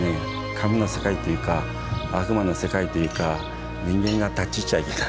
神の世界っていうか悪魔の世界っていうか人間が立ち入っちゃいけない。